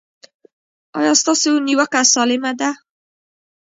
ایا ستاسو نیوکه سالمه ده؟